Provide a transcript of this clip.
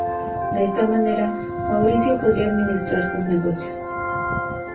De esta manera, Mauricio podría administrar sus negocios.